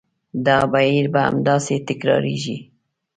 دا بهیر به همداسې تکرارېږي.